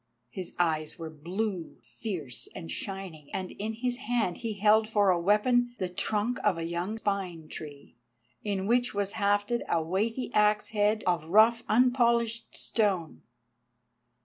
His eyes were blue, fierce and shining, and in his hand he held for a weapon the trunk of a young pine tree, in which was hafted a weighty axe head of rough unpolished stone.